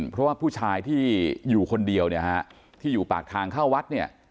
เพราะว่าผู้ชายที่อยู่คนเดียวที่อยู่ปากทางเข้าวัด